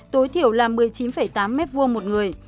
tối thiểu là một mươi chín tám m hai một người